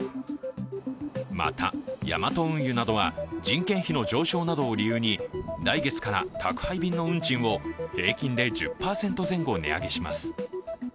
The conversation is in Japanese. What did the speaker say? また、ヤマト運輸などは人件費の上昇などを理由に来月から宅配便の運賃を平均で１０％前後値上げします。